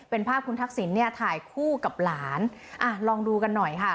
เป็นภาพคุณทักษิณเนี่ยถ่ายคู่กับหลานอ่ะลองดูกันหน่อยค่ะ